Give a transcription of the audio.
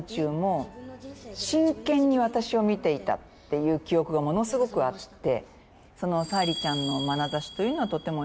今回記憶がものすごくあって。